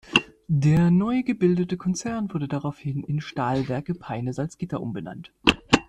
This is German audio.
Der neu gebildete Konzern wurde daraufhin in Stahlwerke Peine-Salzgitter umbenannt.